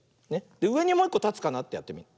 うえにもういっこたつかなってやってみる。